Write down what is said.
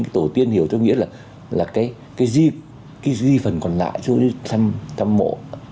với cái tổ tiên hiểu tôi nghĩa là cái gì phần còn lại cho thăm mộ